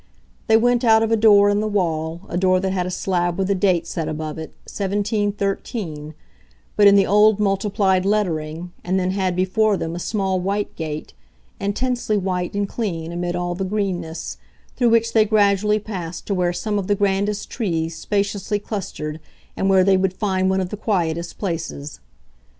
They went out of a door in the wall, a door that had a slab with a date set above it, 1713, but in the old multiplied lettering, and then had before them a small white gate, intensely white and clean amid all the greenness, through which they gradually passed to where some of the grandest trees spaciously clustered and where they would find one of the quietest places.